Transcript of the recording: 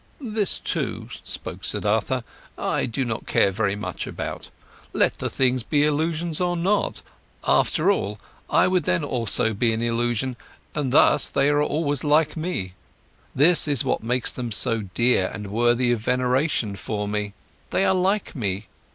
"This too," spoke Siddhartha, "I do not care very much about. Let the things be illusions or not, after all I would then also be an illusion, and thus they are always like me. This is what makes them so dear and worthy of veneration for me: they are like me.